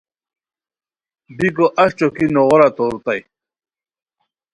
بیکو اہی ݯوکی نوغورا تورتائے